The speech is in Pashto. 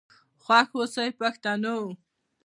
خوښ آوسئ پښتنو.